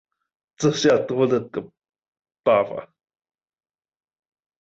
這下多了個爸爸